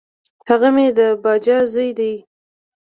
هغه مي د باجه زوی دی .